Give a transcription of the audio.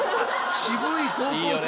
渋い高校生。